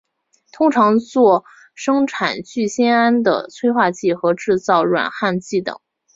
通常作生产聚酰胺的催化剂和制造软焊剂等。